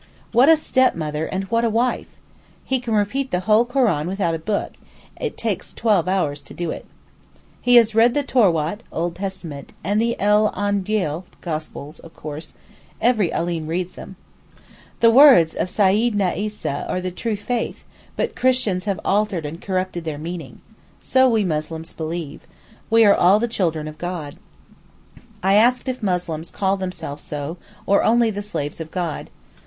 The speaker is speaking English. What a stepmother and what a wife! He can repeat the whole Koran without a book, it takes twelve hours to do it. Has read the Towrát (old Testament) and the el Aangeel (Gospels), of course, every Alim reads them. 'The words of Seyyidna Eesa are the true faith, but Christians have altered and corrupted their meaning. So we Muslims believe. We are all the children of God.' I ask if Muslims call themselves so, or only the slaves of God.